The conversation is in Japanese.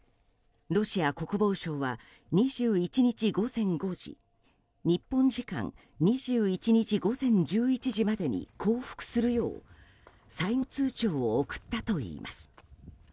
ロシア国防省は２１日午前５時日本時間２１日午前１１時までに降伏するよう最後通牒を送ったといいます。